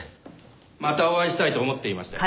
またお会いしたいと思っていましたよ。